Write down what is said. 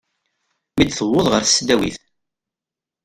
Mi d-tewweḍ ɣer tesdawit.